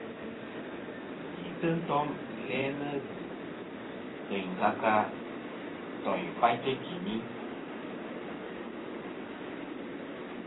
Tisi ntom i lænɨ zɨ teyn ta ka ntoỳnfaytɨ timi.